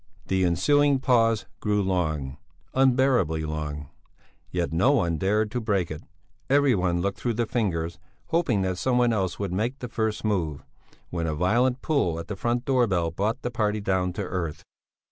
The ensuing pause grew long, unbearably long; yet no one dared to break it; every one looked through the fingers hoping that someone else would make the first move, when a violent pull at the front door bell brought the party down to earth.